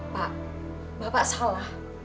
pak bapak salah